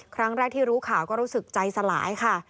ครั้งแรกที่รู้ข่าวก็รู้สึกใจสลายค่ะ